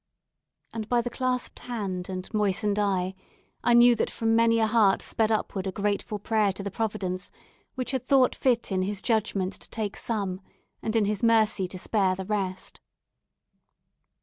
And by the clasped hand and moistened eye, I knew that from many a heart sped upward a grateful prayer to the Providence which had thought fit in his judgment to take some, and in his mercy to spare the rest.